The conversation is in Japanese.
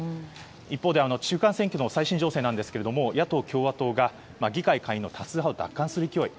一方で中間選挙の最新情勢ですが野党・共和党が議会下院の多数派を奪還する勢い。